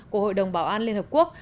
của hội đồng bảo an liên hợp quốc